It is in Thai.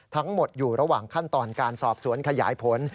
ทั้งหมดอยู่ระหว่างขั้นตอนการสอบสวนขยายผล